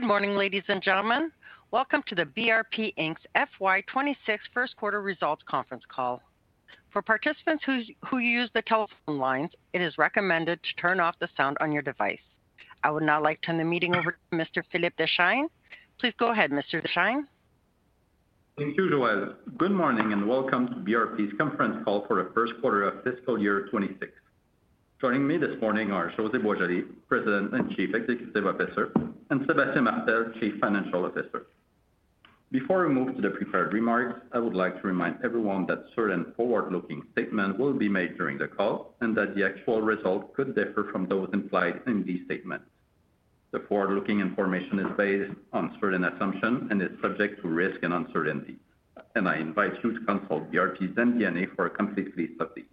Good morning, ladies and gentlemen. Welcome to the BRP Inc FY26 First Quarter Results Conference Call. For participants who use the telephone lines, it is recommended to turn off the sound on your device. I would now like to turn the meeting over to Mr. Philippe Deschênes. Please go ahead, Mr. Deschênes. Thank you, Joelle. Good morning and welcome to BRP's Conference Call for the First Quarter of Fiscal Year 2026. Joining me this morning are José Boisjoli, President and Chief Executive Officer, and Sébastien Martel, Chief Financial Officer. Before we move to the prepared remarks, I would like to remind everyone that certain forward-looking statements will be made during the call and that the actual results could differ from those implied in these statements. The forward-looking information is based on certain assumptions and is subject to risk and uncertainty, and I invite you to consult BRP's MD&A for a complete list of these.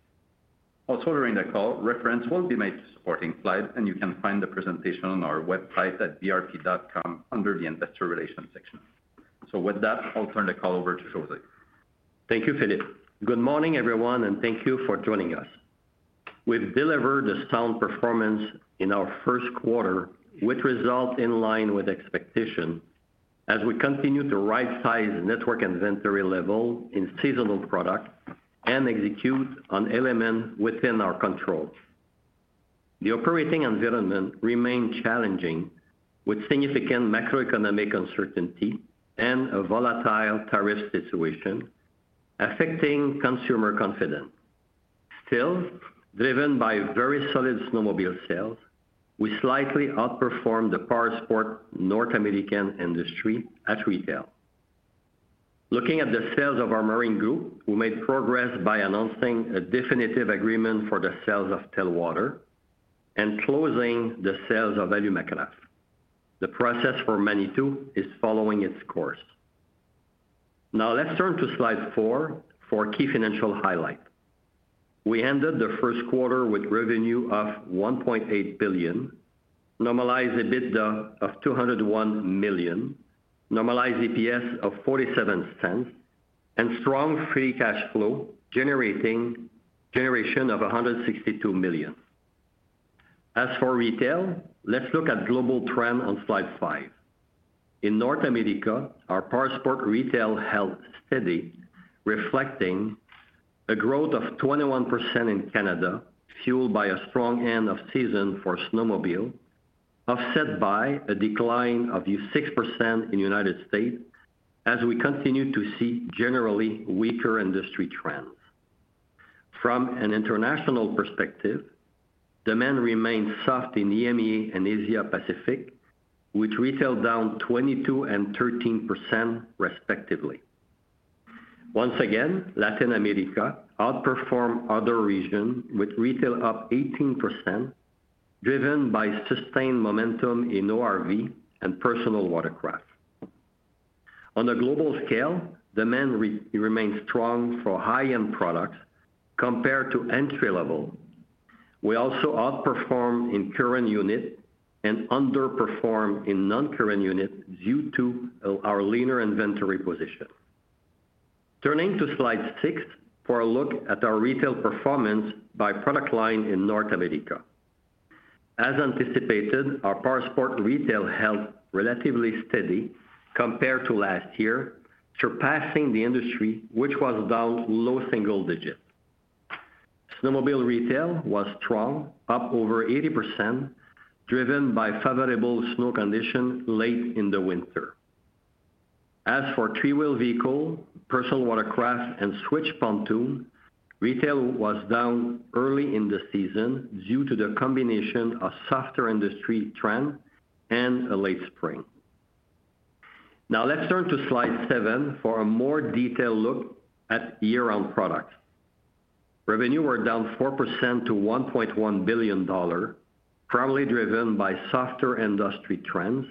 Also, during the call, reference will be made to supporting slides, and you can find the presentation on our website at brp.com under the Investor Relations section. With that, I'll turn the call over to José. Thank you, Philippe. Good morning, everyone, and thank you for joining us. We've delivered a sound performance in our first quarter, which resulted in line with expectations as we continue to right-size network inventory level in seasonal products and execute on elements within our control. The operating environment remained challenging, with significant macroeconomic uncertainty and a volatile tariff situation affecting consumer confidence. Still, driven by very solid snowmobile sales, we slightly outperformed the powersports North American industry at retail. Looking at the sales of our marine group, we made progress by announcing a definitive agreement for the sale of Telwater and closing the sale of Alumacraft. The process for Manitou is following its course. Now, let's turn to slide four for key financial highlights. We ended the first quarter with revenue of 1.8 billion, normalized EBITDA of 201 million, normalized EPS of 0.47, and strong free cash flow generation of 162 million. As for retail, let's look at global trends on slide five. In North America, our powersports retail held steady, reflecting a growth of 21% in Canada, fueled by a strong end of season for snowmobile, offset by a decline of 6% in the United States as we continue to see generally weaker industry trends. From an international perspective, demand remained soft in EMEA and Asia-Pacific, with retail down 22% and 13%, respectively. Once again, Latin America outperformed other regions, with retail up 18%, driven by sustained momentum in ORV and personal watercraft. On a global scale, demand remained strong for high-end products compared to entry-level. We also outperformed in current units and underperformed in non-current units due to our leaner inventory position. Turning to slide six for a look at our retail performance by product line in North America. As anticipated, our powersports retail held relatively steady compared to last year, surpassing the industry, which was down low single digits. Snowmobile retail was strong, up over 80%, driven by favorable snow conditions late in the winter. As for three-wheel vehicles, personal watercraft, and Sea-Doo pontoons, retail was down early in the season due to the combination of softer industry trends and a late spring. Now, let's turn to slide seven for a more detailed look at year-round products. Revenue were down 4% to 1.1 billion dollar, probably driven by softer industry trends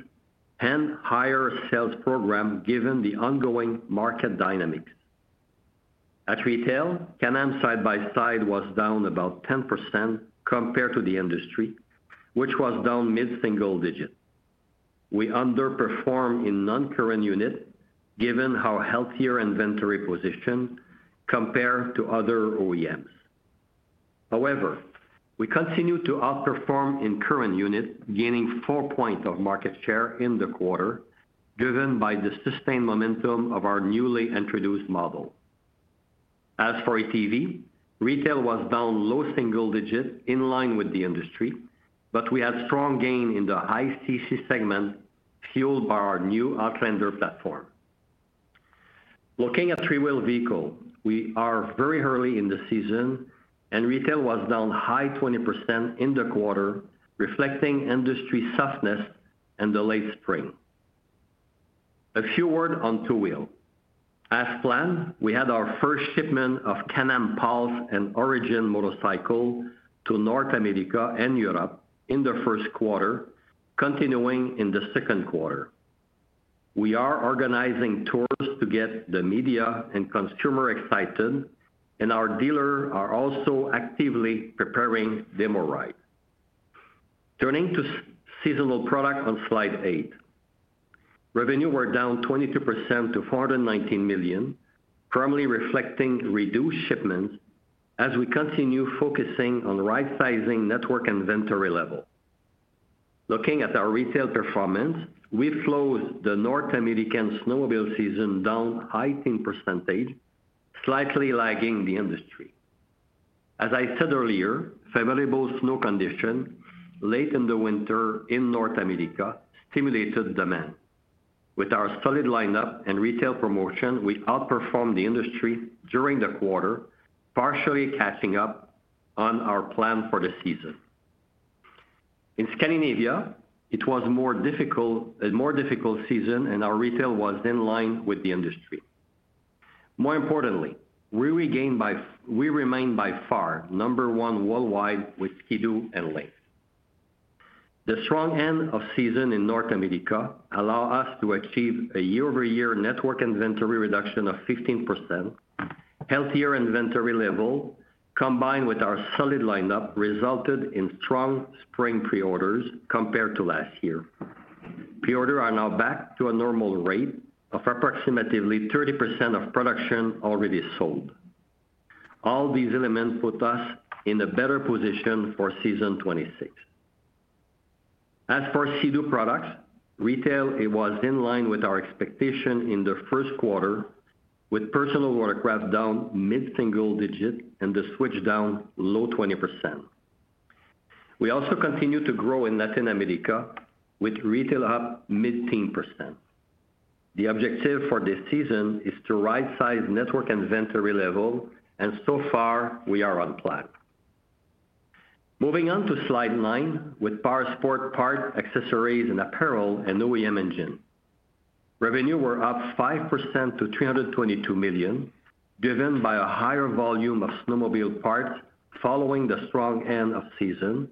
and higher sales programs given the ongoing market dynamics. At retail, Can-Am Side-by-Side was down about 10% compared to the industry, which was down mid-single digit. We underperformed in non-current units given our healthier inventory position compared to other OEMs. However, we continued to outperform in current units, gaining four percentage points of market share in the quarter, driven by the sustained momentum of our newly introduced model. As for ATV, retail was down low single digit in line with the industry, but we had strong gain in the high CC segment fueled by our new Outlander platform. Looking at three-wheel vehicles, we are very early in the season, and retail was down high 20% in the quarter, reflecting industry softness in the late spring. A few words on two-wheel. As planned, we had our first shipment of Can-Am Pulse and Origin motorcycle to North America and Europe in the first quarter, continuing in the second quarter. We are organizing tours to get the media and consumer excited, and our dealers are also actively preparing demo rides. Turning to seasonal product on slide eight, revenue were down 22% to 419 million, firmly reflecting reduced shipments as we continue focusing on right-sizing network inventory level. Looking at our retail performance, we closed the North American snowmobile season down 18%, slightly lagging the industry. As I said earlier, favorable snow conditions late in the winter in North America stimulated demand. With our solid lineup and retail promotion, we outperformed the industry during the quarter, partially catching up on our plan for the season. In Scandinavia, it was a more difficult season, and our retail was in line with the industry. More importantly, we remain by far number one worldwide with Ski-Doo and Lynx. The strong end of season in North America allowed us to achieve a year-over-year network inventory reduction of 15%. Healthier inventory level, combined with our solid lineup, resulted in strong spring preorders compared to last year. Preorders are now back to a normal rate of approximately 30% of production already sold. All these elements put us in a better position for season 2026. As for Ski-Doo products, retail was in line with our expectations in the first quarter, with personal watercraft down mid-single digit and the Switch down low 20%. We also continue to grow in Latin America, with retail up mid-10%. The objective for this season is to right-size network inventory level, and so far, we are on plan. Moving on to slide nine with powersports parts, accessories, and apparel, and OEM engine. Revenue were up 5% to 322 million, driven by a higher volume of snowmobile parts following the strong end of season,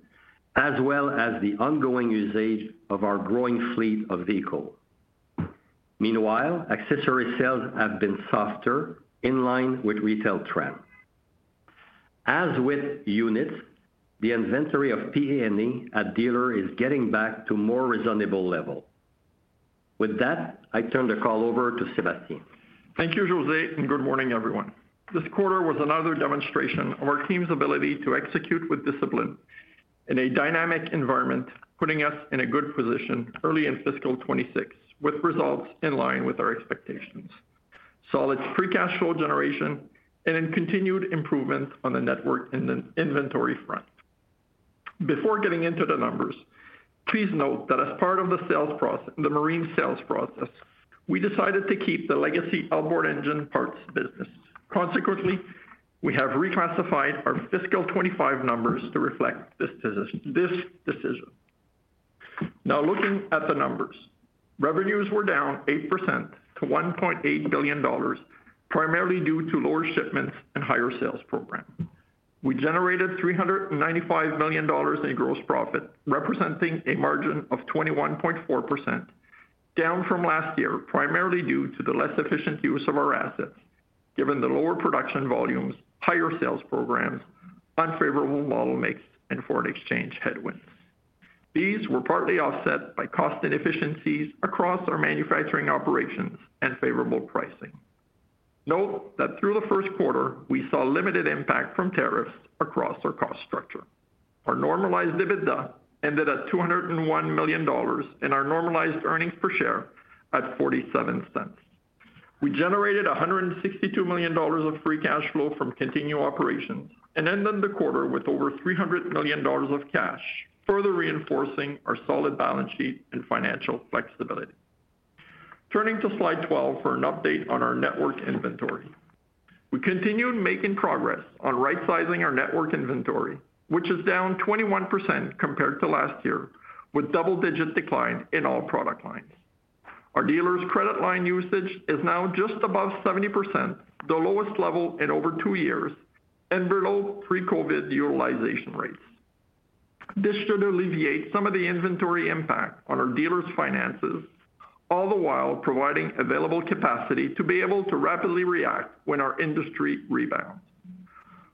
as well as the ongoing usage of our growing fleet of vehicles. Meanwhile, accessory sales have been softer, in line with retail trends. As with units, the inventory of P&A at dealer is getting back to more reasonable level. With that, I turn the call over to Sébastien. Thank you, José, and good morning, everyone. This quarter was another demonstration of our team's ability to execute with discipline in a dynamic environment, putting us in a good position early in fiscal 2026, with results in line with our expectations: solid free cash flow generation and continued improvement on the network inventory front. Before getting into the numbers, please note that as part of the marine sales process, we decided to keep the legacy Alborne engine parts business. Consequently, we have reclassified our fiscal 2025 numbers to reflect this decision. Now, looking at the numbers, revenues were down 8% to 1.8 billion dollars, primarily due to lower shipments and higher sales program. We generated 395 million dollars in gross profit, representing a margin of 21.4%, down from last year, primarily due to the less efficient use of our assets, given the lower production volumes, higher sales programs, unfavorable model mix, and foreign exchange headwinds. These were partly offset by cost inefficiencies across our manufacturing operations and favorable pricing. Note that through the first quarter, we saw limited impact from tariffs across our cost structure. Our normalized EBITDA ended at 201 million dollars and our normalized earnings per share at 0.47. We generated 162 million dollars of free cash flow from continued operations and ended the quarter with over 300 million dollars of cash, further reinforcing our solid balance sheet and financial flexibility. Turning to slide 12 for an update on our network inventory, we continued making progress on right-sizing our network inventory, which is down 21% compared to last year, with double-digit decline in all product lines. Our dealer's credit line usage is now just above 70%, the lowest level in over two years, and below pre-COVID utilization rates. This should alleviate some of the inventory impact on our dealer's finances, all the while providing available capacity to be able to rapidly react when our industry rebounds.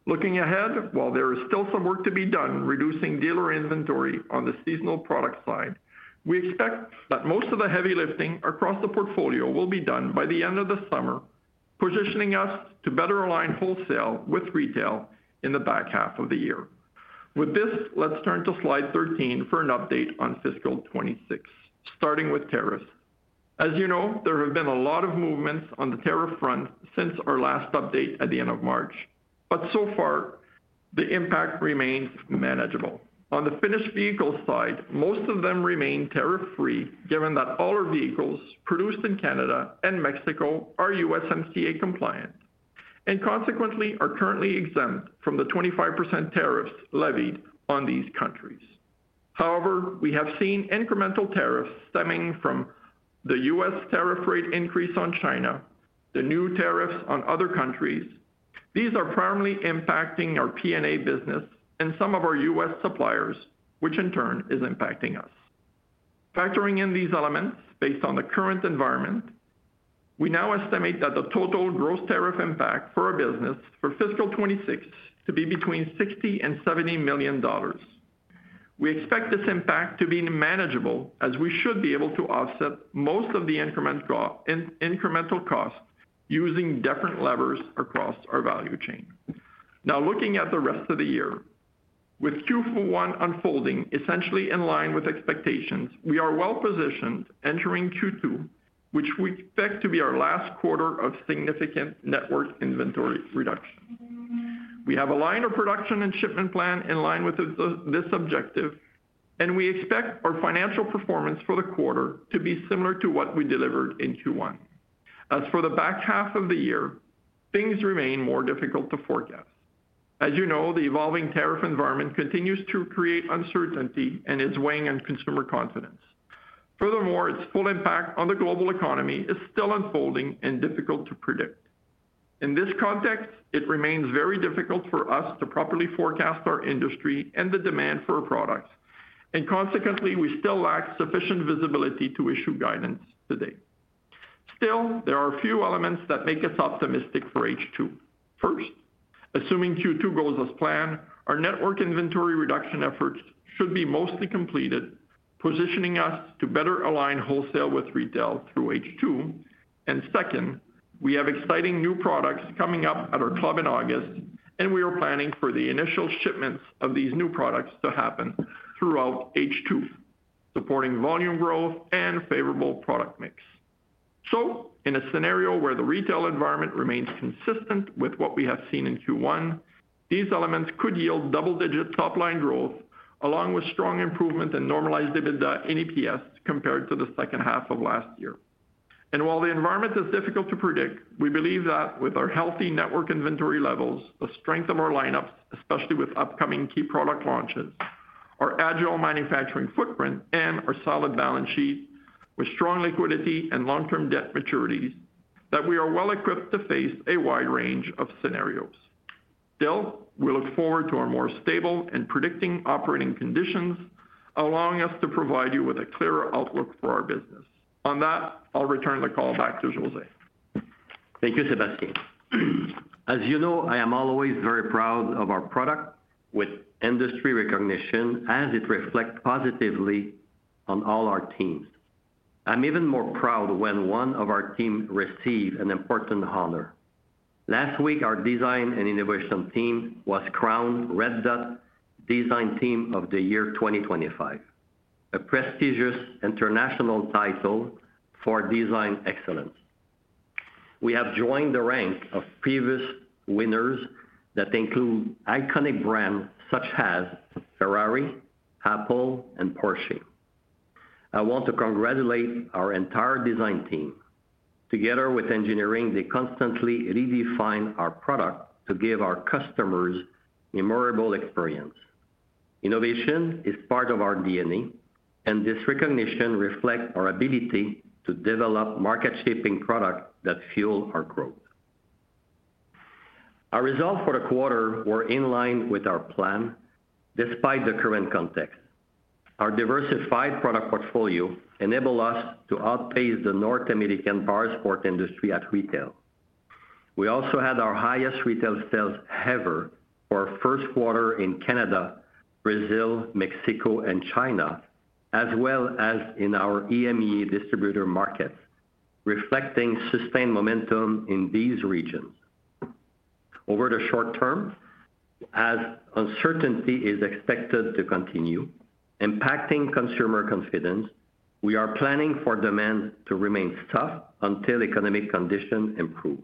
Looking ahead, while there is still some work to be done reducing dealer inventory on the seasonal product side, we expect that most of the heavy lifting across the portfolio will be done by the end of the summer, positioning us to better align wholesale with retail in the back half of the year. With this, let's turn to slide 13 for an update on fiscal 2026, starting with tariffs. As you know, there have been a lot of movements on the tariff front since our last update at the end of March, but so far, the impact remains manageable. On the finished vehicle side, most of them remain tariff-free, given that all our vehicles produced in Canada and Mexico are USMCA compliant and consequently are currently exempt from the 25% tariffs levied on these countries. However, we have seen incremental tariffs stemming from the U.S. tariff rate increase on China, the new tariffs on other countries. These are primarily impacting our P&A business and some of our U.S. suppliers, which in turn is impacting us. Factoring in these elements based on the current environment, we now estimate that the total gross tariff impact for our business for fiscal 2026 to be between 60 million and 70 million dollars. We expect this impact to be manageable, as we should be able to offset most of the incremental costs using different levers across our value chain. Now, looking at the rest of the year, with Q1 unfolding essentially in line with expectations, we are well positioned entering Q2, which we expect to be our last quarter of significant network inventory reduction. We have aligned our production and shipment plan in line with this objective, and we expect our financial performance for the quarter to be similar to what we delivered in Q1. As for the back half of the year, things remain more difficult to forecast. As you know, the evolving tariff environment continues to create uncertainty and is weighing on consumer confidence. Furthermore, its full impact on the global economy is still unfolding and difficult to predict. In this context, it remains very difficult for us to properly forecast our industry and the demand for our products, and consequently, we still lack sufficient visibility to issue guidance today. Still, there are a few elements that make us optimistic for H2. First, assuming Q2 goes as planned, our network inventory reduction efforts should be mostly completed, positioning us to better align wholesale with retail through H2. Second, we have exciting new products coming up at our club in August, and we are planning for the initial shipments of these new products to happen throughout H2, supporting volume growth and favorable product mix. In a scenario where the retail environment remains consistent with what we have seen in Q1, these elements could yield double-digit top-line growth, along with strong improvement in normalized EBITDA and EPS compared to the second half of last year. While the environment is difficult to predict, we believe that with our healthy network inventory levels, the strength of our lineups, especially with upcoming key product launches, our agile manufacturing footprint, and our solid balance sheet with strong liquidity and long-term debt maturities, we are well equipped to face a wide range of scenarios. Still, we look forward to more stable and predictable operating conditions, allowing us to provide you with a clearer outlook for our business. On that, I'll return the call back to José. Thank you, Sébastien. As you know, I am always very proud of our product with industry recognition, as it reflects positively on all our teams. I'm even more proud when one of our teams receives an important honor. Last week, our design and innovation team was crowned Red Dot Design Team of the Year 2025, a prestigious international title for design excellence. We have joined the ranks of previous winners that include iconic brands such as Ferrari, Apple, and Porsche. I want to congratulate our entire design team. Together with engineering, they constantly redefine our product to give our customers a memorable experience. Innovation is part of our DNA, and this recognition reflects our ability to develop market-shaping products that fuel our growth. Our results for the quarter were in line with our plan, despite the current context. Our diversified product portfolio enabled us to outpace the North American powersports industry at retail. We also had our highest retail sales ever for our first quarter in Canada, Brazil, Mexico, and China, as well as in our EMEA distributor markets, reflecting sustained momentum in these regions. Over the short term, as uncertainty is expected to continue impacting consumer confidence, we are planning for demand to remain tough until economic conditions improve.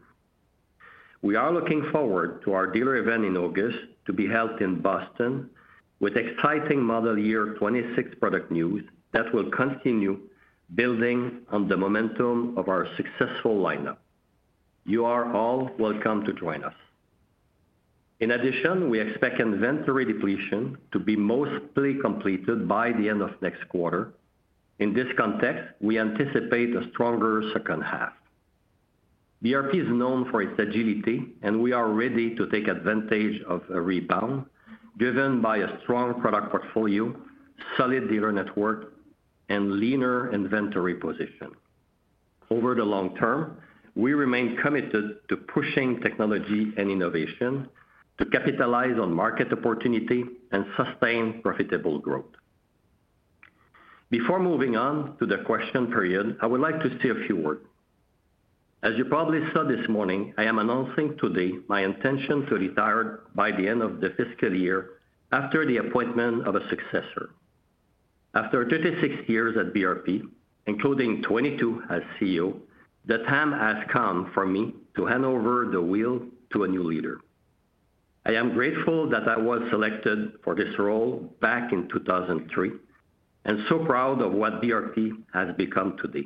We are looking forward to our dealer event in August to be held in Boston with exciting Model Year 2026 product news that will continue building on the momentum of our successful lineup. You are all welcome to join us. In addition, we expect inventory depletion to be mostly completed by the end of next quarter. In this context, we anticipate a stronger second half. BRP is known for its agility, and we are ready to take advantage of a rebound driven by a strong product portfolio, solid dealer network, and leaner inventory position. Over the long term, we remain committed to pushing technology and innovation to capitalize on market opportunity and sustain profitable growth. Before moving on to the question period, I would like to say a few words. As you probably saw this morning, I am announcing today my intention to retire by the end of the fiscal year after the appointment of a successor. After 36 years at BRP, including 22 as CEO, the time has come for me to hand over the wheel to a new leader. I am grateful that I was selected for this role back in 2003 and so proud of what BRP has become today: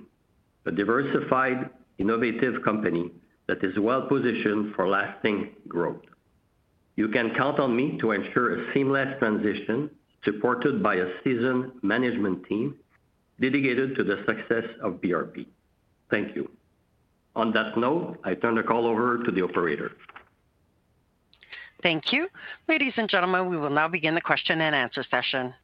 a diversified, innovative company that is well positioned for lasting growth. You can count on me to ensure a seamless transition supported by a seasoned management team dedicated to the success of BRP. Thank you. On that note, I turn the call over to the operator. Thank you. Ladies and gentlemen, we will now begin the question and answer session.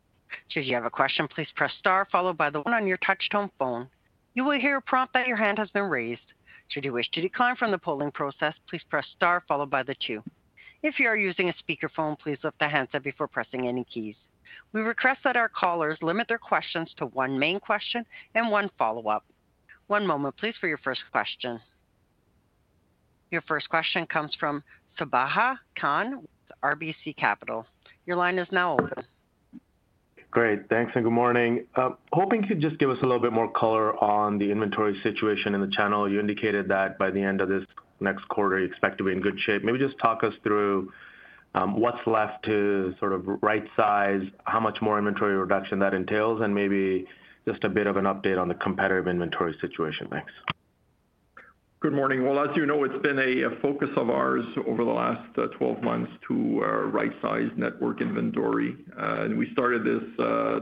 Should you have a question, please press star, followed by the one on your touch-tone phone. You will hear a prompt that your hand has been raised. Should you wish to decline from the polling process, please press star, followed by the two. If you are using a speakerphone, please lift the handset before pressing any keys. We request that our callers limit their questions to one main question and one follow-up. One moment, please, for your first question. Your first question comes from Sabahat Khan with RBC Capital. Your line is now open. Great. Thanks and good morning. Hoping you could just give us a little bit more color on the inventory situation in the channel. You indicated that by the end of this next quarter, you expect to be in good shape. Maybe just talk us through what's left to sort of right-size, how much more inventory reduction that entails, and maybe just a bit of an update on the competitive inventory situation. Thanks. Good morning. As you know, it's been a focus of ours over the last 12 months to right-size network inventory. We started this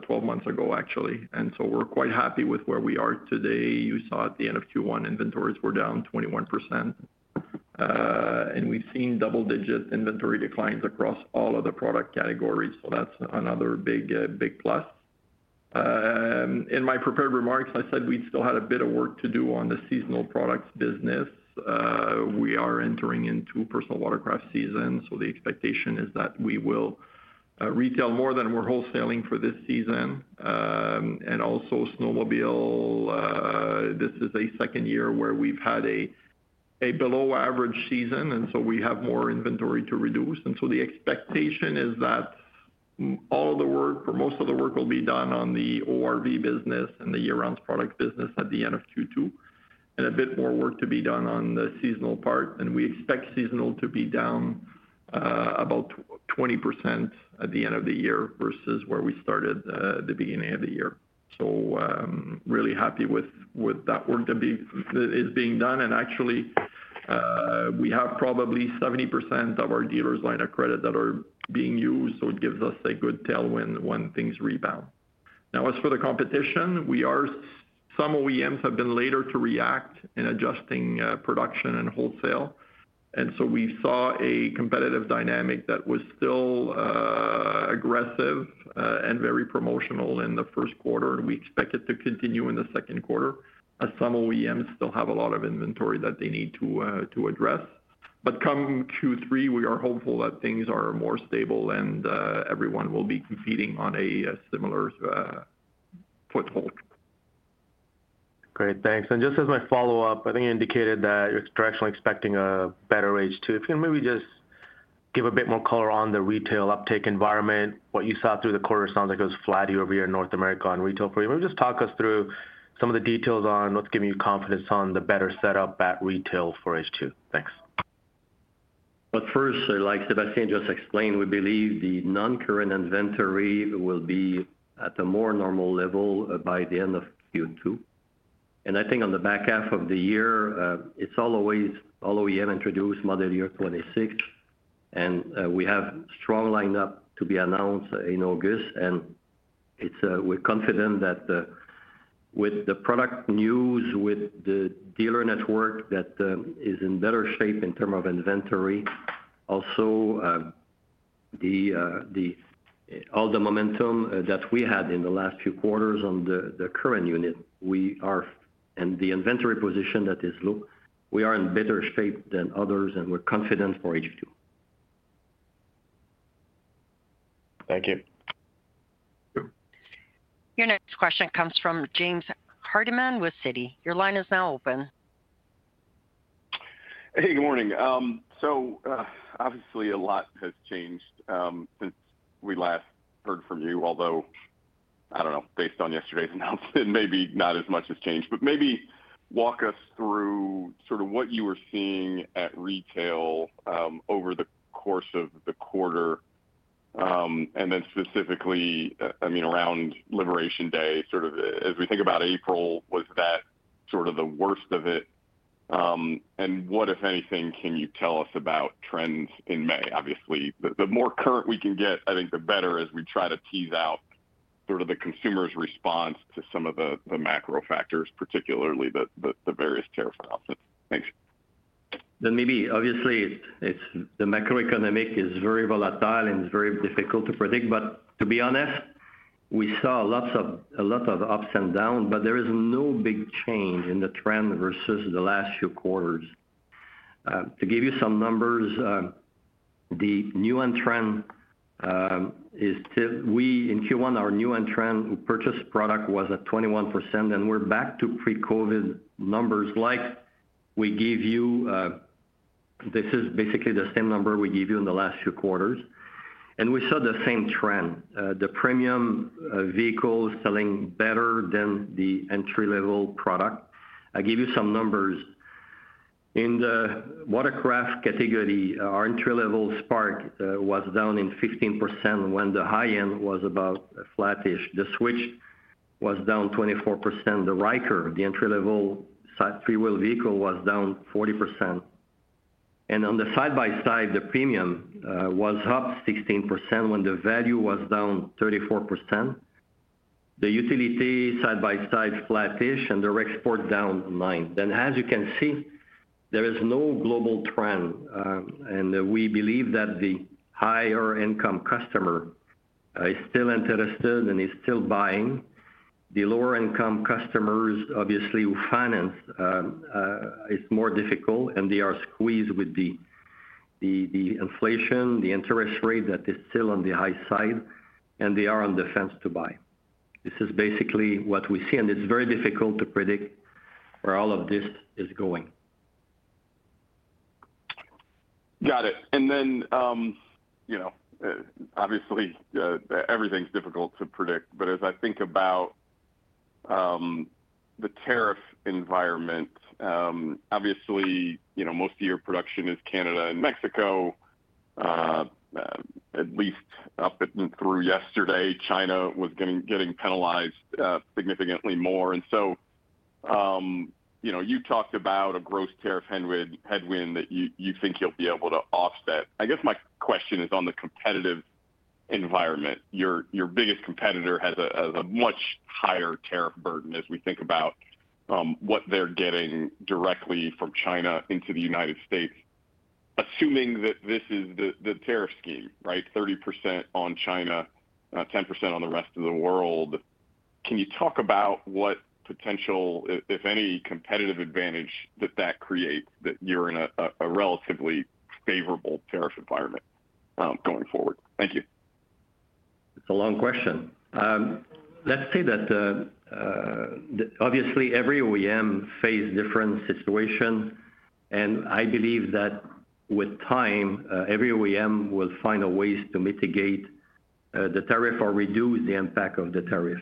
12 months ago, actually, and we are quite happy with where we are today. You saw at the end of Q1, inventories were down 21%, and we've seen double-digit inventory declines across all of the product categories. That's another big, big plus. In my prepared remarks, I said we still had a bit of work to do on the seasonal products business. We are entering into personal watercraft season, so the expectation is that we will retail more than we're wholesaling for this season. Also, snowmobile, this is a second year where we've had a below-average season, and we have more inventory to reduce. The expectation is that all of the work, or most of the work, will be done on the ORV business and the year-round product business at the end of Q2, and a bit more work to be done on the seasonal part. We expect seasonal to be down about 20% at the end of the year versus where we started at the beginning of the year. Really happy with that work that is being done. Actually, we have probably 70% of our dealers' line of credit that are being used, so it gives us a good tailwind when things rebound. As for the competition, some OEMs have been later to react in adjusting production and wholesale. We saw a competitive dynamic that was still aggressive and very promotional in the first quarter, and we expect it to continue in the second quarter as some OEMs still have a lot of inventory that they need to address. Come Q3, we are hopeful that things are more stable and everyone will be competing on a similar foothold. Great. Thanks. Just as my follow-up, I think you indicated that you're actually expecting a better H2. If you can maybe just give a bit more color on the retail uptake environment, what you saw through the quarter sounds like it was flat over here in North America on retail for you. Maybe just talk us through some of the details on what's giving you confidence on the better setup at retail for H2. Thanks. Like Sébastien just explained, we believe the non-current inventory will be at a more normal level by the end of Q2. I think on the back half of the year, it's all OEM introduced Model Year 2026, and we have a strong lineup to be announced in August. We're confident that with the product news, with the dealer network that is in better shape in terms of inventory, also all the momentum that we had in the last few quarters on the current unit, and the inventory position that is looked, we are in better shape than others, and we're confident for H2. Thank you. Your next question comes from James Hardiman with Citi. Your line is now open. Hey, good morning. Obviously, a lot has changed since we last heard from you, although, I don't know, based on yesterday's announcement, maybe not as much has changed. Maybe walk us through sort of what you were seeing at retail over the course of the quarter, and then specifically, I mean, around Liberation Day, as we think about April, was that the worst of it? What, if anything, can you tell us about trends in May? Obviously, the more current we can get, I think the better as we try to tease out the consumer's response to some of the macro factors, particularly the various tariff announcements. Thanks. Obviously, the macroeconomic is very volatile and very difficult to predict. But to be honest, we saw lots of ups and downs, but there is no big change in the trend versus the last few quarters. To give you some numbers, the new and trend is still, in Q1, our new and trend purchase product was at 21%, and we're back to pre-COVID numbers. Like we give you, this is basically the same number we gave you in the last few quarters. And we saw the same trend. The premium vehicles selling better than the entry-level product. I'll give you some numbers. In the watercraft category, our entry-level Spark was down 15% when the high-end was about flat-ish. The Switch was down 24%. The Ryker, the entry-level three-wheel vehicle, was down 40%. And on the side-by-side, the premium was up 16% when the value was down 34%. The utility side-by-side flat-ish, and the REX port down 9%. As you can see, there is no global trend. We believe that the higher-income customer is still interested and is still buying. The lower-income customers, obviously, who finance, it's more difficult, and they are squeezed with the inflation, the interest rate that is still on the high side, and they are on the fence to buy. This is basically what we see, and it's very difficult to predict where all of this is going. Got it. Obviously, everything's difficult to predict. As I think about the tariff environment, obviously, most of your production is Canada and Mexico, at least up through yesterday. China was getting penalized significantly more. You talked about a gross tariff headwind that you think you'll be able to offset. I guess my question is on the competitive environment. Your biggest competitor has a much higher tariff burden as we think about what they're getting directly from China into the United States, assuming that this is the tariff scheme, right? 30% on China, 10% on the rest of the world. Can you talk about what potential, if any, competitive advantage that that creates that you're in a relatively favorable tariff environment going forward? Thank you. It's a long question. Let's say that, obviously, every OEM faces different situations, and I believe that with time, every OEM will find a way to mitigate the tariff or reduce the impact of the tariff.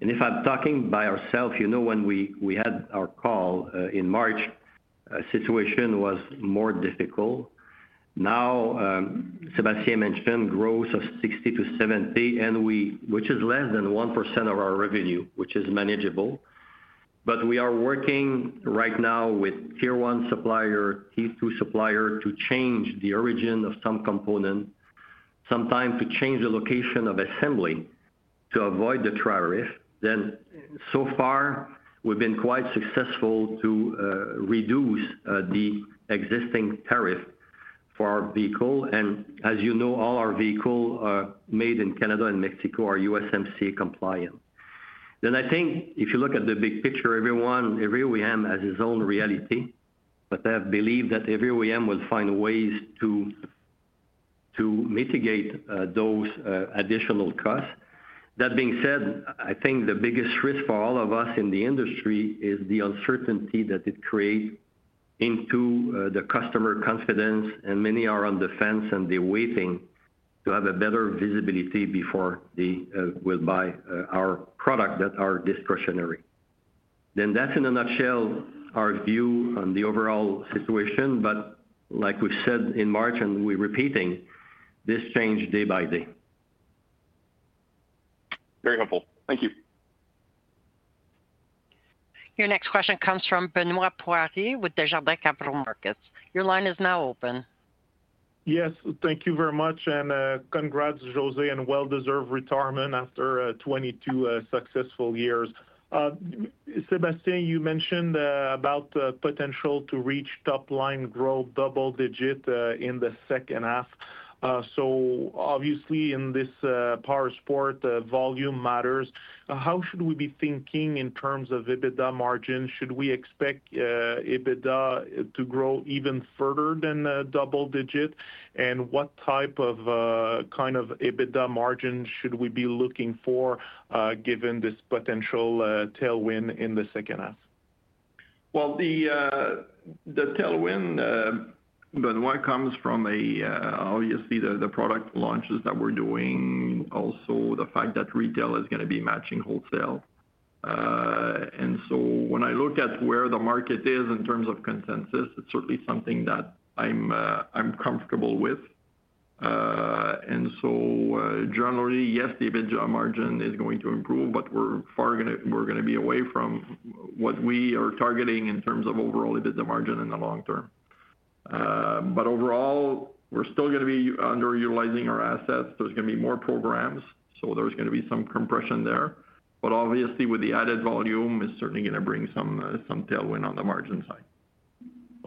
If I'm talking by ourselves, you know when we had our call in March, the situation was more difficult. Now, Sébastien mentioned growth of 60-70, which is less than 1% of our revenue, which is manageable. We are working right now with tier-one supplier, tier-two supplier to change the origin of some component, sometimes to change the location of assembly to avoid the tariff. So far, we've been quite successful to reduce the existing tariff for our vehicle. As you know, all our vehicles made in Canada and Mexico are USMCA compliant. I think if you look at the big picture, every OEM has its own reality, but I believe that every OEM will find ways to mitigate those additional costs. That being said, I think the biggest risk for all of us in the industry is the uncertainty that it creates into the customer confidence, and many are on the fence, and they're waiting to have a better visibility before they will buy our product that are discretionary. That's, in a nutshell, our view on the overall situation. Like we said in March, and we're repeating, this changes day by day. Very helpful. Thank you. Your next question comes from Benoît Poirier with Desjardins Capital Markets. Your line is now open. Yes. Thank you very much, and congrats, José, on a well-deserved retirement after 22 successful years. Sébastien, you mentioned about the potential to reach top-line growth, double-digit in the second half. Obviously, in this powersports, volume matters. How should we be thinking in terms of EBITDA margin? Should we expect EBITDA to grow even further than double-digit? What type of kind of EBITDA margin should we be looking for given this potential tailwind in the second half? The tailwind, Benoît, comes from, obviously, the product launches that we're doing, also the fact that retail is going to be matching wholesale. When I look at where the market is in terms of consensus, it's certainly something that I'm comfortable with. Generally, yes, the EBITDA margin is going to improve, but we're going to be away from what we are targeting in terms of overall EBITDA margin in the long term. Overall, we're still going to be underutilizing our assets. There's going to be more programs, so there's going to be some compression there. Obviously, with the added volume, it's certainly going to bring some tailwind on the margin side.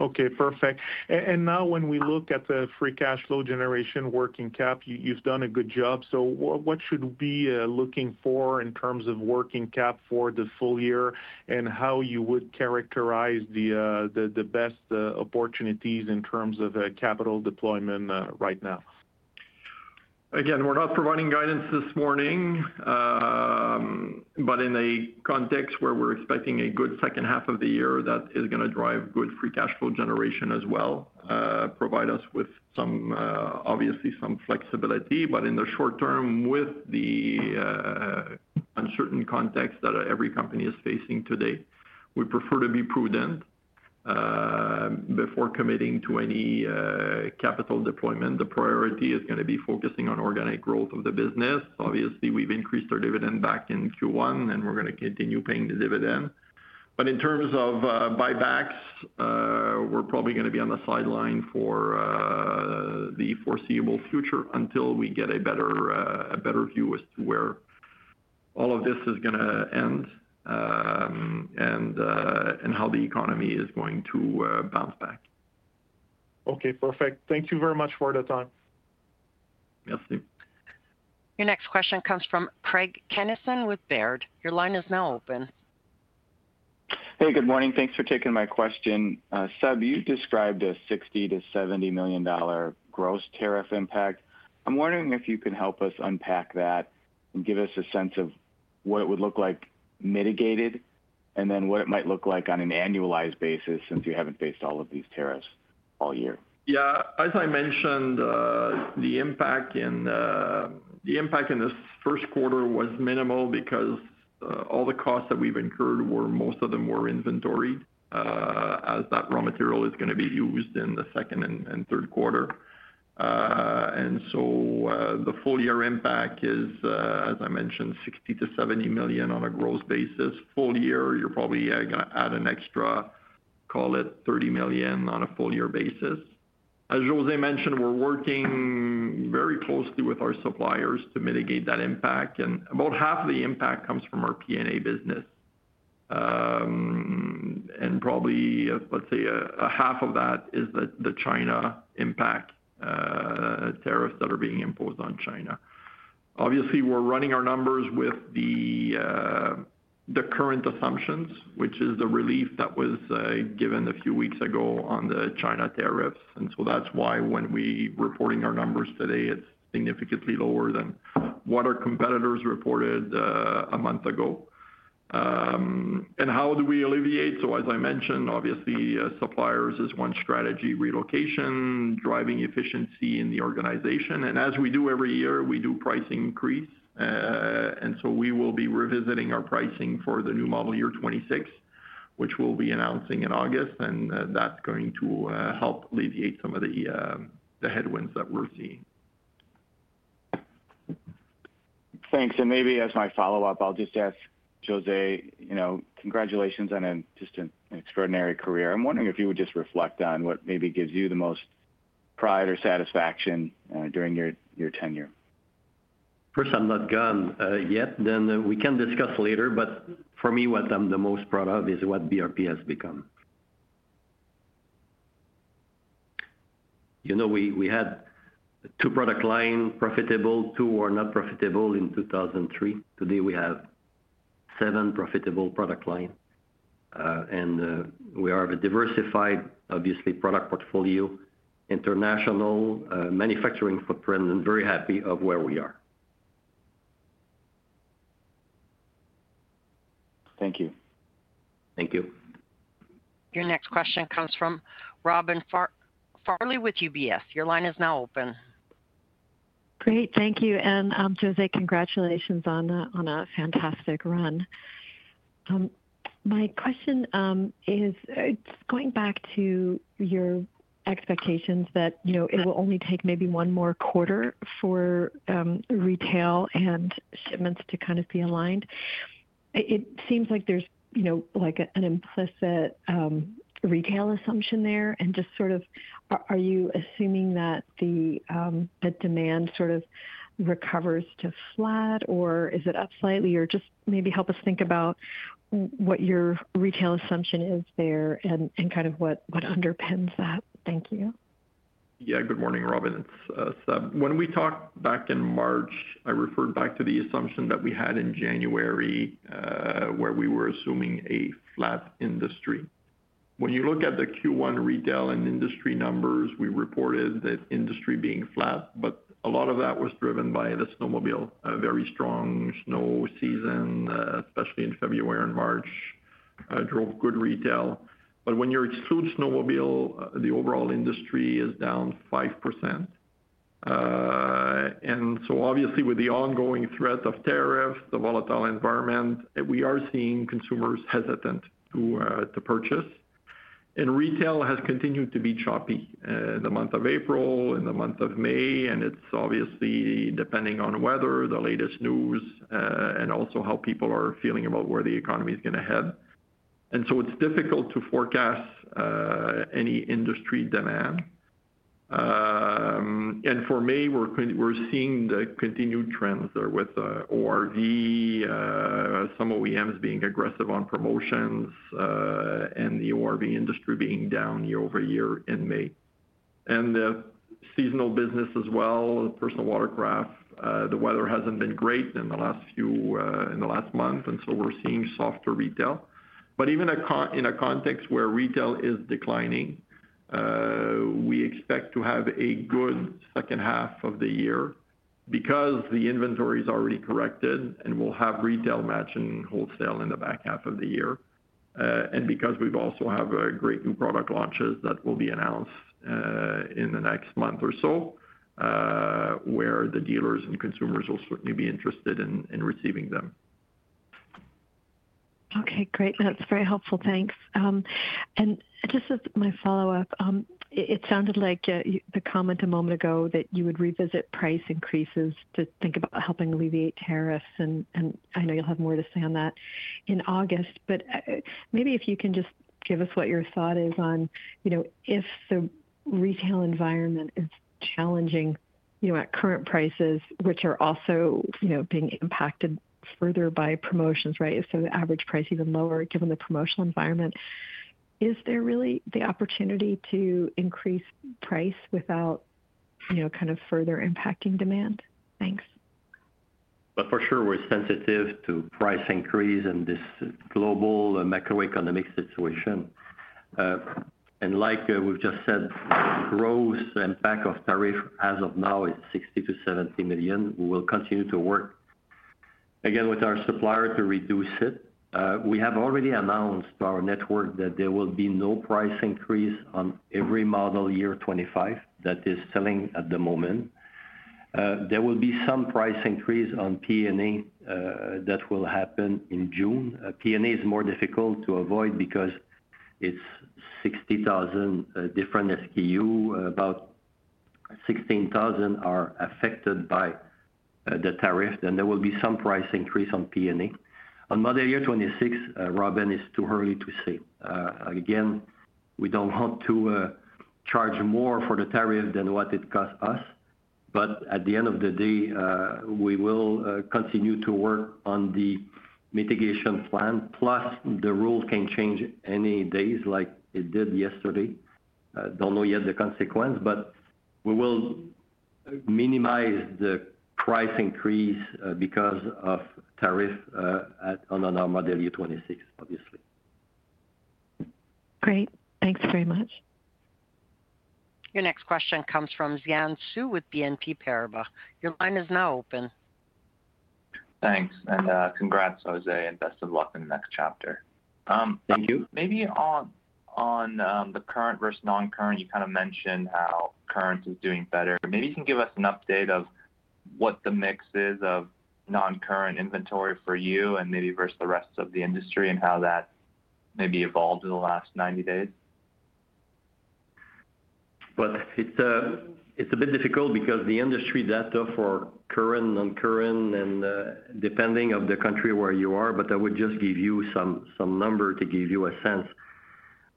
Okay. Perfect. Now when we look at the free cash flow generation, working cap, you've done a good job. What should we be looking for in terms of working cap for the full year and how would you characterize the best opportunities in terms of capital deployment right now? Again, we're not providing guidance this morning, but in a context where we're expecting a good second half of the year that is going to drive good free cash flow generation as well, provide us with, obviously, some flexibility. In the short term, with the uncertain context that every company is facing today, we prefer to be prudent before committing to any capital deployment. The priority is going to be focusing on organic growth of the business. Obviously, we've increased our dividend back in Q1, and we're going to continue paying the dividend. In terms of buybacks, we're probably going to be on the sideline for the foreseeable future until we get a better view as to where all of this is going to end and how the economy is going to bounce back. Okay. Perfect. Thank you very much for the time. Merci. Your next question comes from Craig Kennison with Baird. Your line is now open. Hey, good morning. Thanks for taking my question. Seb, you described a $60 million-$70 million gross tariff impact. I'm wondering if you can help us unpack that and give us a sense of what it would look like mitigated and then what it might look like on an annualized basis since you haven't faced all of these tariffs all year. Yeah. As I mentioned, the impact in the first quarter was minimal because all the costs that we've incurred, most of them were inventoried as that raw material is going to be used in the second and third quarter. The full-year impact is, as I mentioned, 60 million-70 million on a gross basis. Full year, you're probably going to add an extra, call it, 30 million on a full-year basis. As José mentioned, we're working very closely with our suppliers to mitigate that impact. About half of the impact comes from our P&A business. Probably, let's say, half of that is the China impact tariffs that are being imposed on China. Obviously, we're running our numbers with the current assumptions, which is the relief that was given a few weeks ago on the China tariffs. That is why when we are reporting our numbers today, it is significantly lower than what our competitors reported a month ago. How do we alleviate? As I mentioned, obviously, suppliers is one strategy: relocation, driving efficiency in the organization. As we do every year, we do price increase. We will be revisiting our pricing for the new model year 2026, which we will be announcing in August. That is going to help alleviate some of the headwinds that we are seeing. Thanks. Maybe as my follow-up, I'll just ask José, congratulations on just an extraordinary career. I'm wondering if you would just reflect on what maybe gives you the most pride or satisfaction during your tenure. First, I'm not gone yet. We can discuss later. For me, what I'm the most proud of is what BRP has become. You know we had two product lines profitable, two were not profitable in 2003. Today, we have seven profitable product lines. We have a diversified, obviously, product portfolio, international manufacturing footprint, and very happy with where we are. Thank you. Thank you. Your next question comes from Robin Farley with UBS. Your line is now open. Great. Thank you. José, congratulations on a fantastic run. My question is going back to your expectations that it will only take maybe one more quarter for retail and shipments to kind of be aligned. It seems like there's an implicit retail assumption there. Are you assuming that the demand sort of recovers to flat, or is it up slightly? Maybe help us think about what your retail assumption is there and what underpins that. Thank you. Yeah. Good morning, Robin, it's Seb. When we talked back in March, I referred back to the assumption that we had in January where we were assuming a flat industry. When you look at the Q1 retail and industry numbers, we reported that industry being flat, but a lot of that was driven by the snowmobile. A very strong snow season, especially in February and March, drove good retail. When you exclude snowmobile, the overall industry is down 5%. Obviously, with the ongoing threat of tariffs, the volatile environment, we are seeing consumers hesitant to purchase. Retail has continued to be choppy in the month of April, in the month of May. It is obviously depending on weather, the latest news, and also how people are feeling about where the economy is going to head. It is difficult to forecast any industry demand. For May, we're seeing the continued trends there with ORV, some OEMs being aggressive on promotions, and the ORV industry being down year over year in May. Seasonal business as well, personal watercraft. The weather hasn't been great in the last few, in the last month. We're seeing softer retail. Even in a context where retail is declining, we expect to have a good second half of the year because the inventory is already corrected and we'll have retail matching wholesale in the back half of the year. We also have great new product launches that will be announced in the next month or so where the dealers and consumers will certainly be interested in receiving them. Okay. Great. That's very helpful. Thanks. Just as my follow-up, it sounded like the comment a moment ago that you would revisit price increases to think about helping alleviate tariffs. I know you'll have more to say on that in August. Maybe if you can just give us what your thought is on if the retail environment is challenging at current prices, which are also being impacted further by promotions, right? The average price is even lower given the promotional environment. Is there really the opportunity to increase price without kind of further impacting demand? Thanks. For sure, we're sensitive to price increase and this global macroeconomic situation. Like we've just said, the gross impact of tariff as of now is 60 million-70 million. We will continue to work again with our supplier to reduce it. We have already announced to our network that there will be no price increase on every model year 2025 that is selling at the moment. There will be some price increase on P&A that will happen in June. P&A is more difficult to avoid because it's 60,000 different SKU. About 16,000 are affected by the tariff. There will be some price increase on P&A. On model year 2026, Robin, it's too early to say. Again, we don't want to charge more for the tariff than what it costs us. At the end of the day, we will continue to work on the mitigation plan. Plus, the rules can change any day like it did yesterday. Don't know yet the consequence, but we will minimize the price increase because of tariff on our model year 2026, obviously. Great. Thanks very much. Your next question comes from Xiang Su with BNP Paribas. Your line is now open. Thanks. Congrats, José, and best of luck in the next chapter. Thank you. Maybe on the current versus non-current, you kind of mentioned how current is doing better. Maybe you can give us an update of what the mix is of non-current inventory for you and maybe versus the rest of the industry and how that maybe evolved in the last 90 days? It is a bit difficult because the industry data for current, non-current, and depending on the country where you are. I would just give you some number to give you a sense.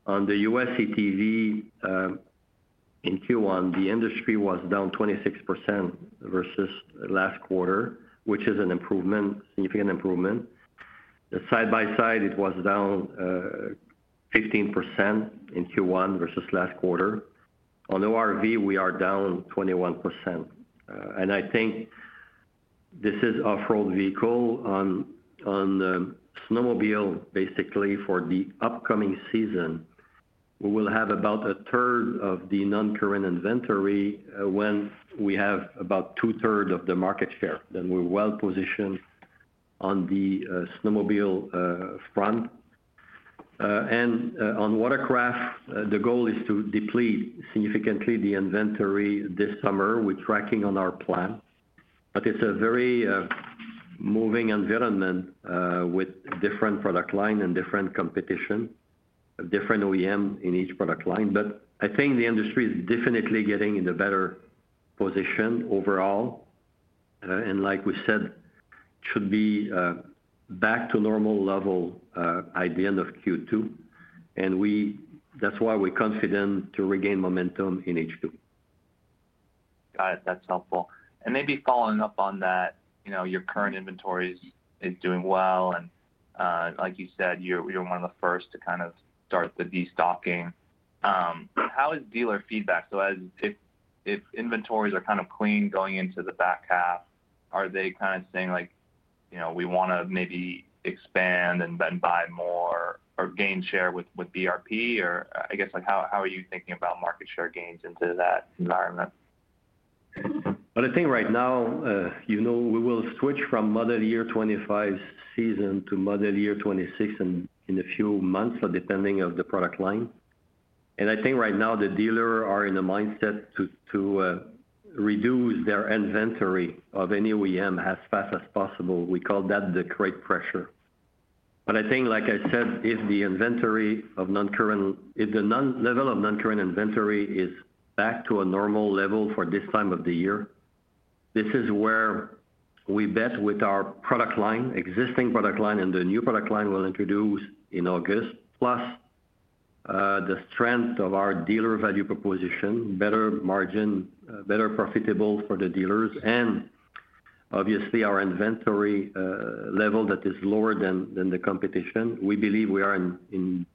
On the U.S. CTV in Q1, the industry was down 26% versus last quarter, which is an improvement, significant improvement. Side by side, it was down 15% in Q1 versus last quarter. On ORV, we are down 21%. I think this is off-road vehicle. On snowmobile, basically for the upcoming season, we will have about a third of the non-current inventory when we have about two-thirds of the market share. We are well positioned on the snowmobile front. On watercraft, the goal is to deplete significantly the inventory this summer. We are tracking on our plan. It is a very moving environment with different product lines and different competition, different OEMs in each product line. I think the industry is definitely getting in a better position overall. Like we said, it should be back to normal level at the end of Q2. That is why we are confident to regain momentum in H2. Got it. That's helpful. Maybe following up on that, your current inventory is doing well. Like you said, you're one of the first to kind of start the destocking. How is dealer feedback? If inventories are kind of clean going into the back half, are they kind of saying, "We want to maybe expand and then buy more or gain share with BRP?" I guess how are you thinking about market share gains into that environment? I think right now, we will switch from model year 2025 season to model year 2026 in a few months, depending on the product line. I think right now the dealers are in a mindset to reduce their inventory of any OEM as fast as possible. We call that the crate pressure. I think, like I said, if the inventory of non-current, if the level of non-current inventory is back to a normal level for this time of the year, this is where we bet with our product line, existing product line, and the new product line we'll introduce in August, plus the strength of our dealer value proposition, better margin, better profitable for the dealers, and obviously our inventory level that is lower than the competition. We believe we are in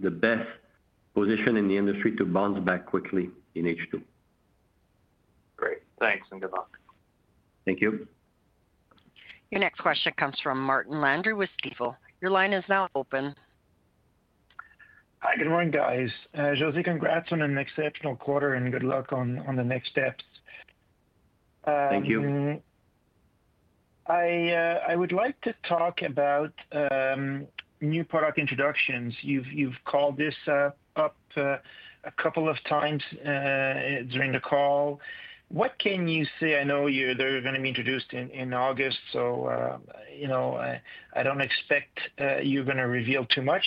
the best position in the industry to bounce back quickly in H2. Great. Thanks and good luck. Thank you. Your next question comes from Martin Landry with Stifel. Your line is now open. Hi, good morning, guys. José, congrats on an exceptional quarter and good luck on the next steps. Thank you. I would like to talk about new product introductions. You've called this up a couple of times during the call. What can you say? I know they're going to be introduced in August, so I don't expect you're going to reveal too much.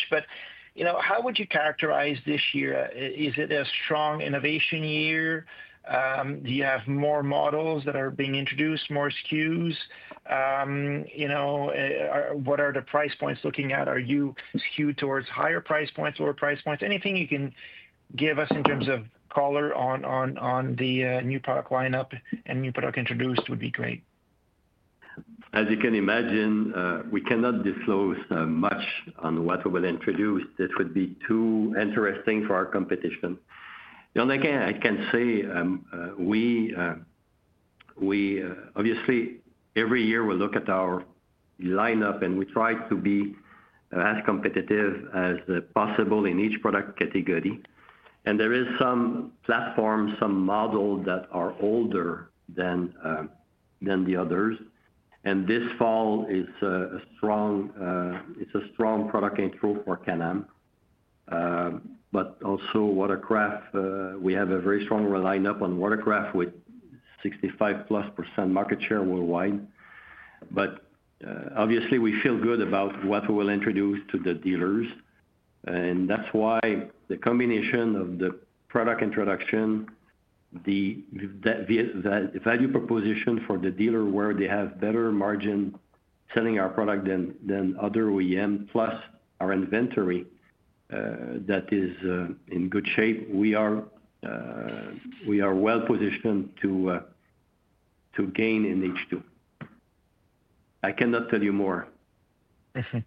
How would you characterize this year? Is it a strong innovation year? Do you have more models that are being introduced, more SKUs? What are the price points looking at? Are you skewed towards higher price points, lower price points? Anything you can give us in terms of color on the new product lineup and new product introduced would be great. As you can imagine, we cannot disclose much on what we will introduce. This would be too interesting for our competition. The only thing I can say, obviously, every year we look at our lineup and we try to be as competitive as possible in each product category. There are some platforms, some models that are older than the others. This fall is a strong product intro for Can-Am. Also, watercraft, we have a very strong lineup on watercraft with 65+% market share worldwide. Obviously, we feel good about what we will introduce to the dealers. That is why the combination of the product introduction, the value proposition for the dealer where they have better margin selling our product than other OEMs, plus our inventory that is in good shape, we are well positioned to gain in H2. I cannot tell you more. I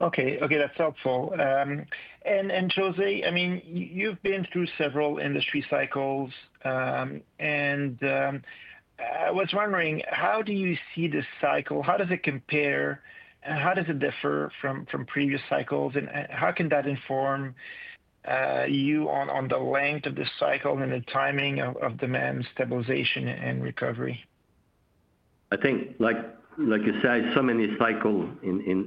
see. Okay. Okay. That's helpful. José, I mean, you've been through several industry cycles. I was wondering, how do you see this cycle? How does it compare? How does it differ from previous cycles? How can that inform you on the length of the cycle and the timing of demand stabilization and recovery? I think, like you said, so many cycles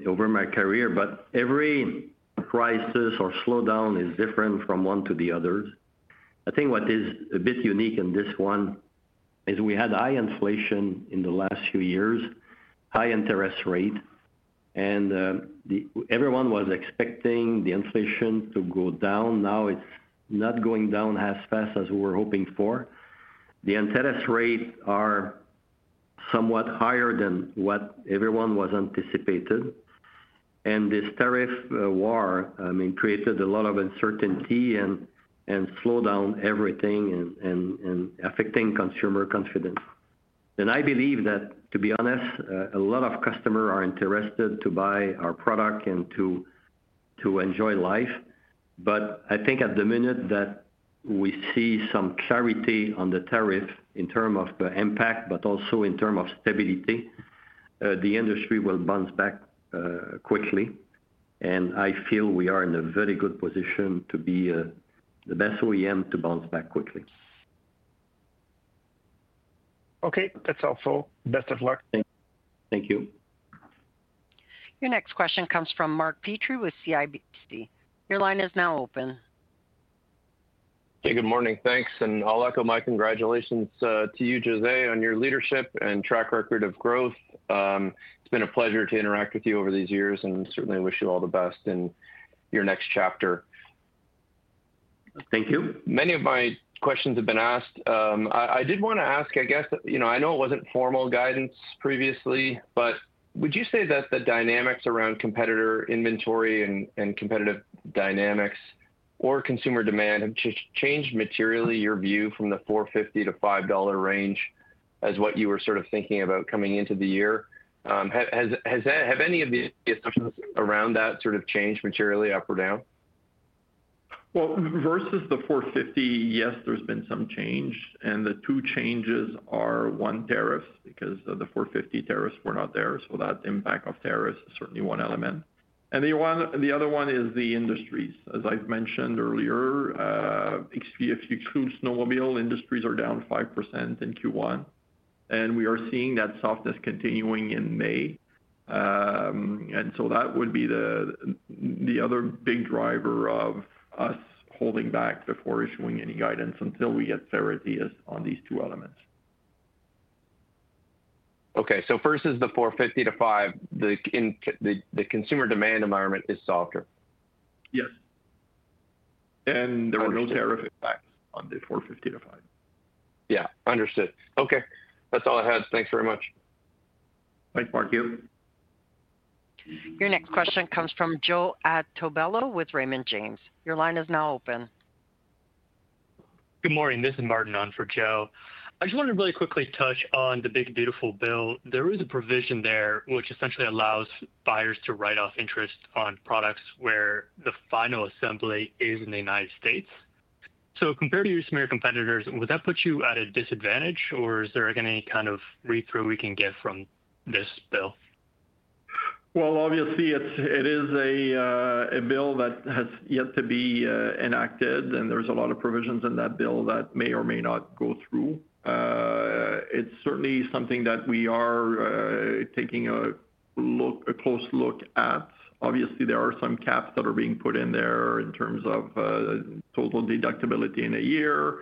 over my career, but every crisis or slowdown is different from one to the others. I think what is a bit unique in this one is we had high inflation in the last few years, high interest rate. Everyone was expecting the inflation to go down. Now it is not going down as fast as we were hoping for. The interest rates are somewhat higher than what everyone was anticipating. This tariff war, I mean, created a lot of uncertainty and slowed down everything and affected consumer confidence. I believe that, to be honest, a lot of customers are interested to buy our product and to enjoy life. I think at the minute that we see some clarity on the tariff in terms of the impact, but also in terms of stability, the industry will bounce back quickly. I feel we are in a very good position to be the best OEM to bounce back quickly. Okay. That's helpful. Best of luck. Thank you. Your next question comes from Mark Petrie with CIBC. Your line is now open. Hey, good morning. Thanks. I will echo my congratulations to you, José, on your leadership and track record of growth. It's been a pleasure to interact with you over these years and certainly wish you all the best in your next chapter. Thank you. Many of my questions have been asked. I did want to ask, I guess, I know it was not formal guidance previously, but would you say that the dynamics around competitor inventory and competitive dynamics or consumer demand have changed materially your view from the $4.50-$5 range as what you were sort of thinking about coming into the year? Have any of the assumptions around that sort of changed materially, up or down? Versus the $4.50, yes, there's been some change. The two changes are, one, tariff, because the $4.50 tariffs were not there. That impact of tariffs is certainly one element. The other one is the industries. As I've mentioned earlier, if you exclude snowmobile, industries are down 5% in Q1. We are seeing that softness continuing in May. That would be the other big driver of us holding back before issuing any guidance until we get clarity on these two elements. Okay. So first is the $4.50-$5. The consumer demand environment is softer. Yes. And. There were no tariff impacts on the $4.50-$5. Yeah. Understood. Okay. That's all I had. Thanks very much. Thanks, Mark. You. Your next question comes from Joe at Tobello with Raymond James. Your line is now open. Good morning. This is Martin on for Joe. I just wanted to really quickly touch on the big beautiful bill. There is a provision there which essentially allows buyers to write off interest on products where the final assembly is in the United States. Compared to your competitors, would that put you at a disadvantage or is there any kind of read-through we can get from this bill? Obviously, it is a bill that has yet to be enacted, and there is a lot of provisions in that bill that may or may not go through. It is certainly something that we are taking a close look at. Obviously, there are some caps that are being put in there in terms of total deductibility in a year,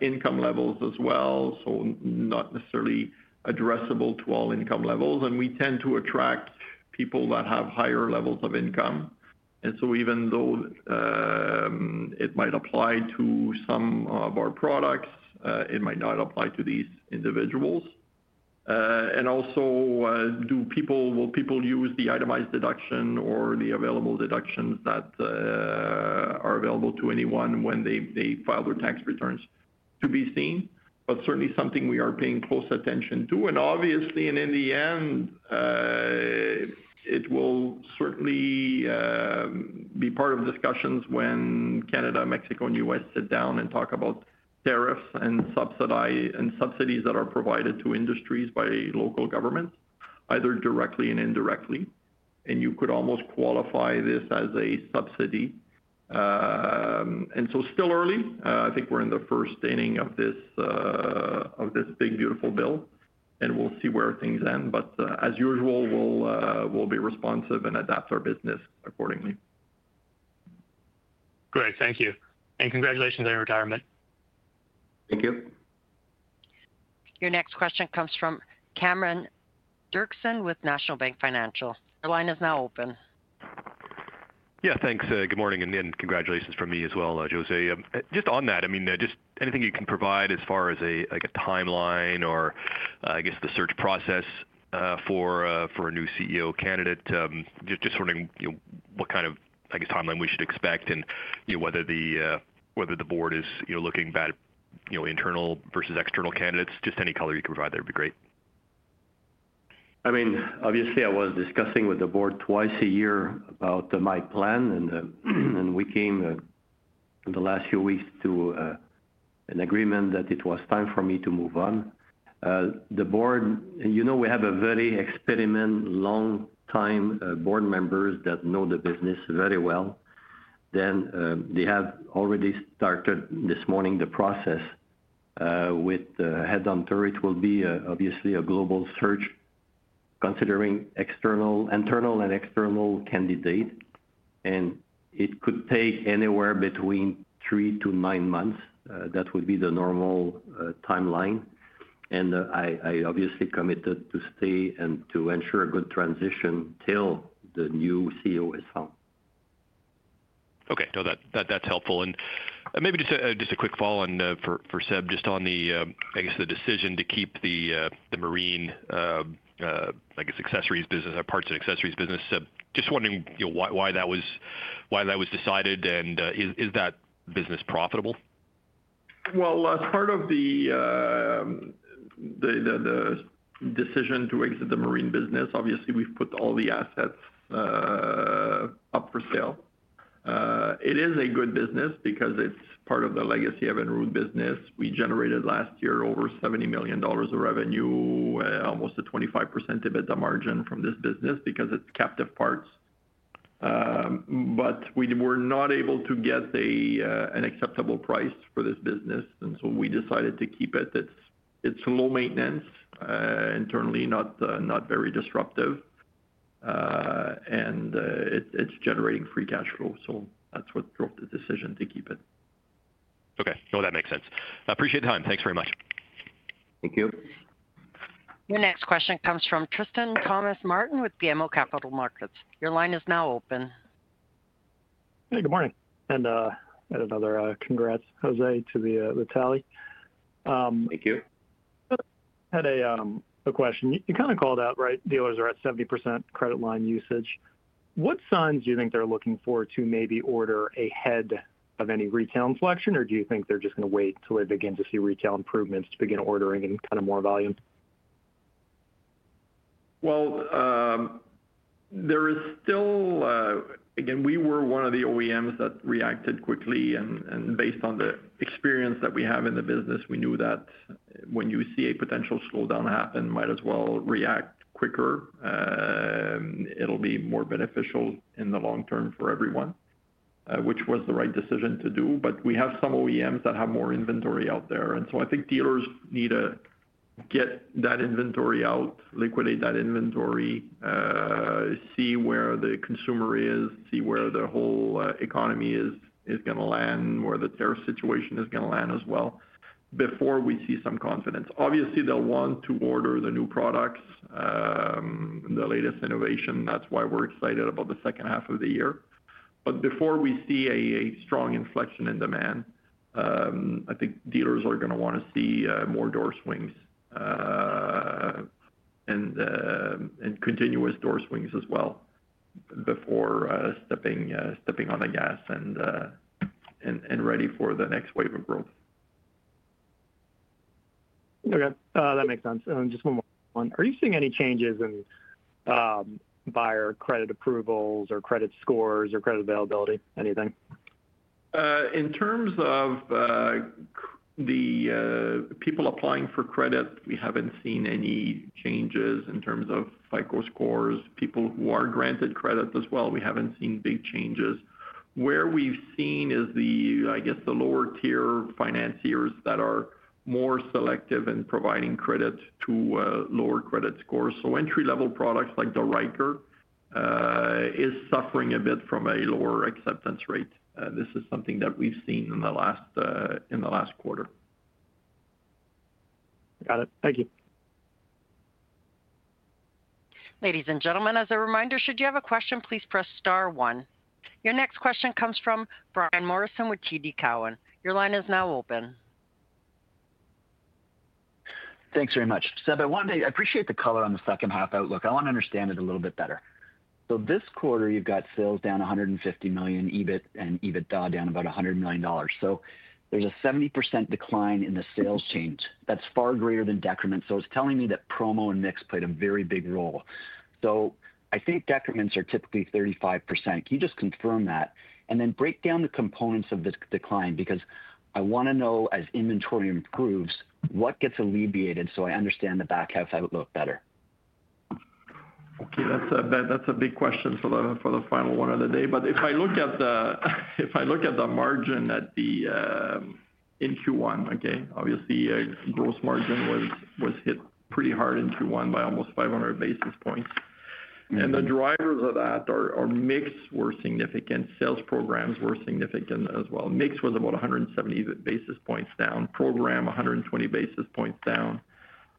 income levels as well. Not necessarily addressable to all income levels. We tend to attract people that have higher levels of income. Even though it might apply to some of our products, it might not apply to these individuals. Also, will people use the itemized deduction or the available deductions that are available to anyone when they file their tax returns remains to be seen. It is certainly something we are paying close attention to. Obviously, in the end, it will certainly be part of discussions when Canada, Mexico, and the U.S. sit down and talk about tariffs and subsidies that are provided to industries by local governments, either directly or indirectly. You could almost qualify this as a subsidy. It is still early. I think we are in the first inning of this big beautiful bill, and we will see where things end. As usual, we will be responsive and adapt our business accordingly. Great. Thank you. Congratulations on your retirement. Thank you. Your next question comes from Cameron Dirksen with National Bank Financial. Your line is now open. Yeah. Thanks. Good morning. Congratulations from me as well, José. Just on that, I mean, just anything you can provide as far as a timeline or, I guess, the search process for a new CEO candidate, just sort of what kind of, I guess, timeline we should expect and whether the board is looking at internal versus external candidates. Just any color you can provide, that would be great. I mean, obviously, I was discussing with the board twice a year about my plan, and we came in the last few weeks to an agreement that it was time for me to move on. The board, you know, we have very experienced long-time board members that know the business very well. They have already started this morning the process with headhunter. It will be obviously a global search considering internal and external candidates. It could take anywhere between three to nine months. That would be the normal timeline. I obviously committed to stay and to ensure a good transition till the new CEO is found. Okay. No, that's helpful. Maybe just a quick follow-on for Seb, just on the, I guess, the decision to keep the marine, I guess, accessories business, parts and accessories business. Just wondering why that was decided and is that business profitable? As part of the decision to exit the marine business, obviously, we've put all the assets up for sale. It is a good business because it's part of the legacy of Enroute business. We generated last year over 70 million dollars of revenue, almost a 25% EBITDA margin from this business because it's captive parts. We were not able to get an acceptable price for this business, and we decided to keep it. It's low maintenance internally, not very disruptive, and it's generating free cash flow. That is what drove the decision to keep it. Okay. No, that makes sense. Appreciate the time. Thanks very much. Thank you. Your next question comes from Tristan Thomas Martin with BMO Capital Markets. Your line is now open. Hey, good morning. Another congrats, José, to the tally. Thank you. Had a question. You kind of called out, right, dealers are at 70% credit line usage. What signs do you think they're looking for to maybe order ahead of any retail inflection, or do you think they're just going to wait till they begin to see retail improvements to begin ordering in kind of more volume? There is still, again, we were one of the OEMs that reacted quickly. And based on the experience that we have in the business, we knew that when you see a potential slowdown happen, might as well react quicker. It will be more beneficial in the long term for everyone, which was the right decision to do. We have some OEMs that have more inventory out there. I think dealers need to get that inventory out, liquidate that inventory, see where the consumer is, see where the whole economy is going to land, where the tariff situation is going to land as well before we see some confidence. Obviously, they will want to order the new products, the latest innovation. That is why we are excited about the second half of the year. Before we see a strong inflection in demand, I think dealers are going to want to see more door swings and continuous door swings as well before stepping on the gas and ready for the next wave of growth. Okay. That makes sense. Just one more. Are you seeing any changes in buyer credit approvals or credit scores or credit availability, anything? In terms of the people applying for credit, we have not seen any changes in terms of FICO scores. People who are granted credit as well, we have not seen big changes. Where we have seen is the, I guess, the lower-tier financiers that are more selective in providing credit to lower credit scores. Entry-level products like the Ryker is suffering a bit from a lower acceptance rate. This is something that we have seen in the last quarter. Got it. Thank you. Ladies and gentlemen, as a reminder, should you have a question, please press star one. Your next question comes from Brian Morrison with TD Cowen. Your line is now open. Thanks very much. Seb, I appreciate the color on the second-half outlook. I want to understand it a little bit better. This quarter, you've got sales down 150 million, EBIT and EBITDA down about 100 million dollars. There's a 70% decline in the sales change. That's far greater than decrement. It's telling me that promo and mix played a very big role. I think decrements are typically 35%. Can you just confirm that? Then break down the components of this decline because I want to know as inventory improves, what gets alleviated so I understand the back half outlook better. Okay. That's a big question for the final one of the day. If I look at the margin in Q1, obviously, gross margin was hit pretty hard in Q1 by almost 500 basis points. The drivers of that are mix were significant. Sales programs were significant as well. Mix was about 170 basis points down. Program 120 basis points down.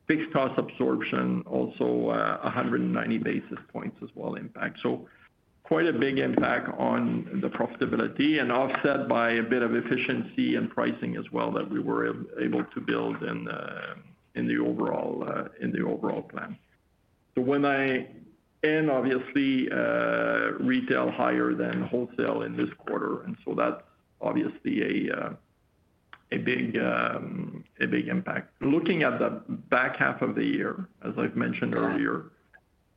Fixed cost absorption also 190 basis points as well impact. Quite a big impact on the profitability and offset by a bit of efficiency and pricing as well that we were able to build in the overall plan. When I end, obviously, retail higher than wholesale in this quarter. That's obviously a big impact. Looking at the back half of the year, as I've mentioned earlier,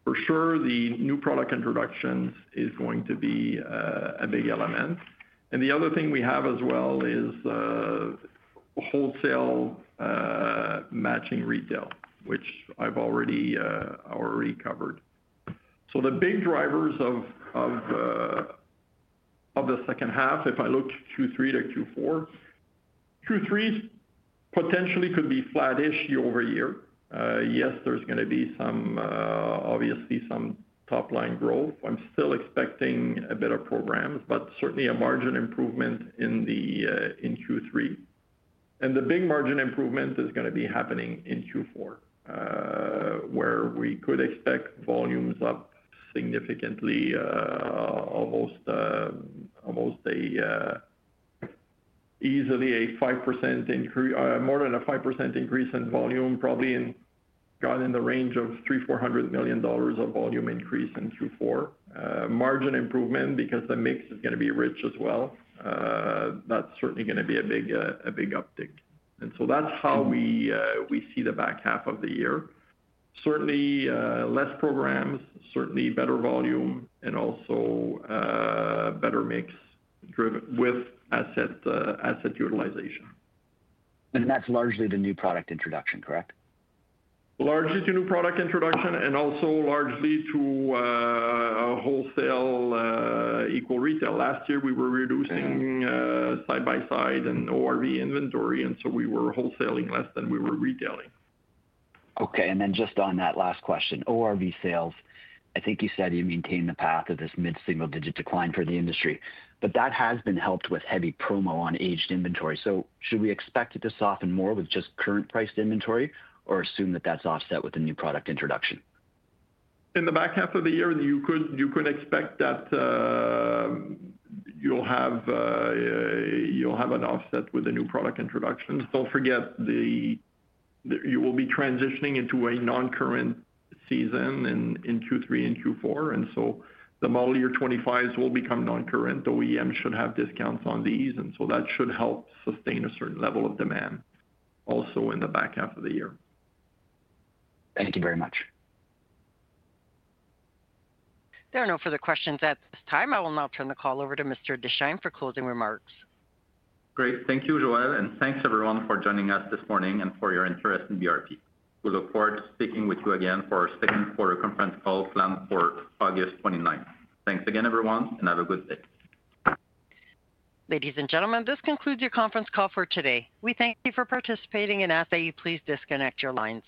for sure, the new product introductions is going to be a big element. The other thing we have as well is wholesale matching retail, which I've already covered. The big drivers of the second half, if I look Q3 to Q4, Q3 potentially could be flattish year over year. Yes, there's going to be some, obviously, some top-line growth. I'm still expecting a bit of programs, but certainly a margin improvement in Q3. The big margin improvement is going to be happening in Q4, where we could expect volumes up significantly, almost easily a more than a 5% increase in volume, probably in the range of $300 million-$400 million of volume increase in Q4. Margin improvement because the mix is going to be rich as well. That's certainly going to be a big uptick. That's how we see the back half of the year. Certainly less programs, certainly better volume, and also better mix with asset utilization. That's largely the new product introduction, correct? Largely to new product introduction and also largely to wholesale equal retail. Last year, we were reducing side-by-side and ORV inventory. And so we were wholesaling less than we were retailing. Okay. And then just on that last question, ORV sales, I think you said you maintain the path of this mid-single-digit decline for the industry, but that has been helped with heavy promo on aged inventory. Should we expect it to soften more with just current priced inventory or assume that that is offset with the new product introduction? In the back half of the year, you could expect that you'll have an offset with the new product introduction. Do not forget you will be transitioning into a non-current season in Q3 and Q4. The model year 2025s will become non-current. OEMs should have discounts on these. That should help sustain a certain level of demand also in the back half of the year. Thank you very much. There are no further questions at this time. I will now turn the call over to Mr. Deschênes for closing remarks. Great. Thank you, Joelle. Thank you, everyone, for joining us this morning and for your interest in BRP. We look forward to speaking with you again for our second quarter conference call planned for August 29. Thank you again, everyone, and have a good day. Ladies and gentlemen, this concludes your conference call for today. We thank you for participating and ask that you please disconnect your lines.